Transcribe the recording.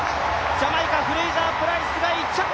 ジャマイカ、フレイザープライスが１着。